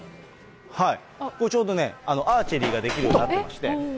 ちょうどね、アーチェリーができるようになってまして。